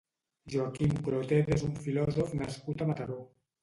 Joaquim Clotet és un filòsof nascut a Mataró.